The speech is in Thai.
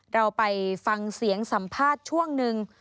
เราไปฟังเสียงสัมภาษณ์ช่วงหนึ่ง